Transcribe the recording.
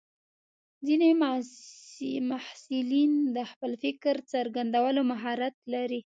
ځینې محصلین د خپل فکر څرګندولو مهارت لري.